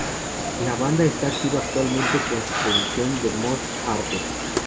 La banda esta activa actualmente con su última producción The Most Hatred